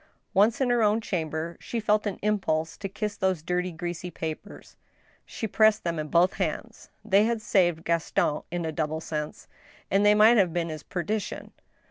Once in her own chamber, she felt an impulse to kiss those dirty, greasy papers. She pressed them in both her hands. They had saved Gaston in a double sense — and they might have been his perdition.